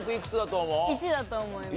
１だと思います。